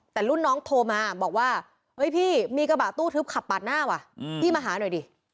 แต่รุ่นน้องโทรมาบอกว่าเฮ้ยพี่มีกระบะตู้ทึบขับปาดหน้าว่ะพี่มาหาหน่อยดิ